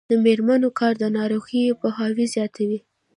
د میرمنو کار د ناروغیو پوهاوی زیاتوي.